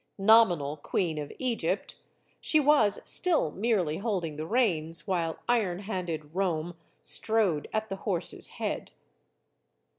Nominal Queen of Egypt, she was still merely holding the reins, while iron handed Rome strode at the horse's head.